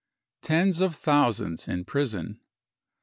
Tens of Thousands in Prison.